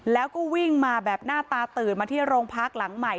แล้วก็วิ่งมาแบบหน้าตาตื่นมาที่โรงพักหลังใหม่